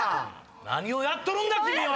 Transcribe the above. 何をやっとるんだ君は！